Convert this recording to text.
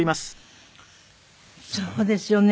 そうですよね。